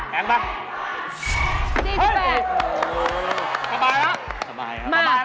แพงปะ